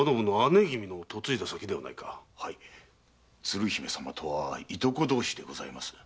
はい鶴姫様とはいとこ同士でございます。